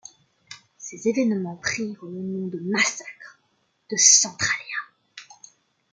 Ces événements prirent le nom de Massacre de Centralia.